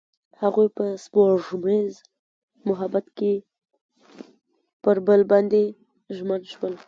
هغوی په سپوږمیز محبت کې پر بل باندې ژمن شول.